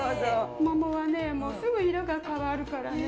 モモはすぐに色が変わるからね。